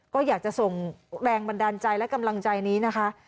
ก็อยากจะส่งแรงบันดาลใจและกำลังใจนี้นะคะ